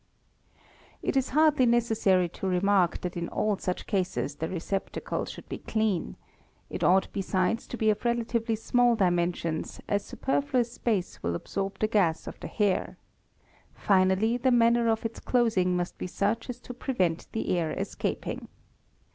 a It is hardly necessary to remark that in all such cases the receptacle should be clean ; it ought besides to be of relatively small dimensions as | superfluous space will absorb the gas of the hair; finally the mann or of its closing must be such as to prevent the air gscaping.